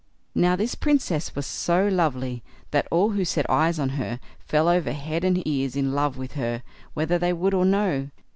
Now, this Princess was so lovely, that all who set eyes on her, fell over head and ears in love with her whether they would or no.